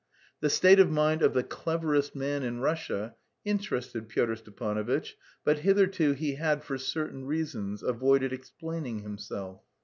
The state of mind of "the cleverest man in Russia" interested Pyotr Stepanovitch, but hitherto he had, for certain reasons, avoided explaining himself.